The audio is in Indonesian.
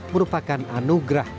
merupakan anugerah takdir